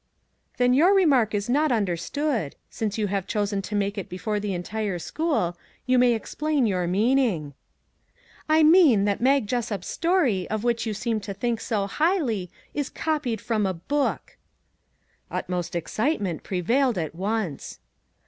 " Then your remark is not understood. Since you have chosen to make it before the entire school, you may explain your meaning." " I mean that Mag Jessup's story, of which 378 " THE EXACT TRUTH " you seem to think so highly, is copied from a book." Utmost excitement prevailed at once.